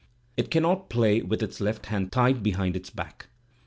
It cannot play with its left hand tied behind i back.